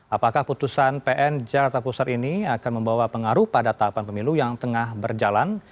apakah putusan pn jakarta pusat ini akan membawa pengaruh pada tahapan pemilu yang tengah berjalan